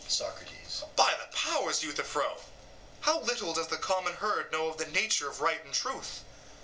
SOCRATES: By the powers, Euthyphro! how little does the common herd know of the nature of right and truth.